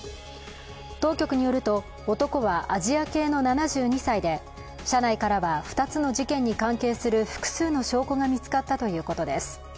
当局によると、男はアジア系の７２歳で車内からは、２つの事件に関係する複数の証拠が見つかったということです。